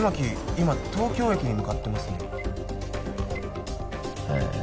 今東京駅に向かってますねへえ